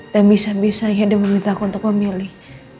dan bisa bisa dia memintaku untuk memilih